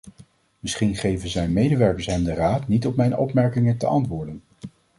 Misschien geven zijn medewerkers hem de raad niet op mijn opmerking te antwoorden.